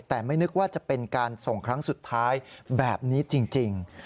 แต่ไม่นึกว่าจะเป็นการส่งครั้งสุดท้ายแบบนี้จริง